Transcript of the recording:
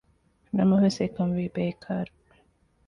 ނަމަވެސް އެކަންވީ ބޭކާރު